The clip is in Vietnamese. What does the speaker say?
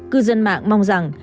cư dân mạng mong rằng